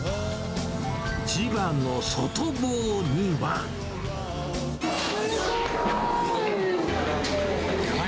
千葉の外房には。